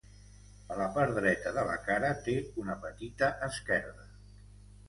A la part dreta de la cara té una petita esquerda.